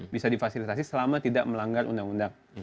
bisa difasilitasi selama tidak melanggar undang undang